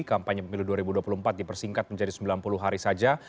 kampanye pemilu dua ribu dua puluh empat dipersingkat menjadi sembilan puluh hari saja